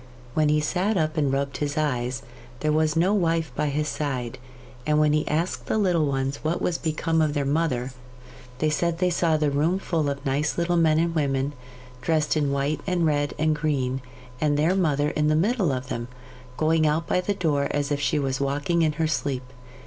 When he sat up and rubbed his eyes, there was no wife by his side, and when he asked the little ones what was become of their mother, they said they saw the room full of nice little men and women, dressed in white and red and green, and their mother in the middle of them, going out by the door as if she was walking in her sleep.